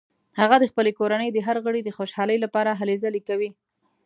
هغه د خپلې کورنۍ د هر غړي د خوشحالۍ لپاره هلې ځلې کوي